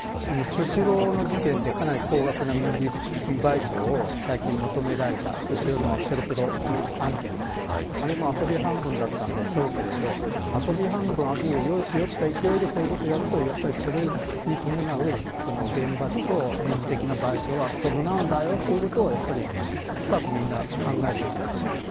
スシローの事件で高額な民事賠償を求められたということであれも遊び半分だったんでしょうけど遊び半分や酔った勢いでこういうことをするとそれに伴う厳罰と民事的な賠償が伴うんだよということを深くみんな考えるべきだと思います。